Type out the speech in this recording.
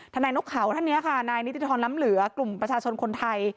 นายนกเขาท่านนี้ค่ะนายนิติธรรมน้ำเหลือกลุ่มประชาชนคนไทย